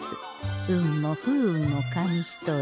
運も不運も紙一重。